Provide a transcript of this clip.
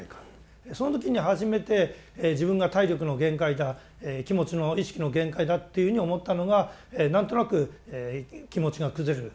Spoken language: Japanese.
その時に初めて自分が体力の限界だ気持ちの意識の限界だというふうに思ったのが何となく気持ちが崩れる。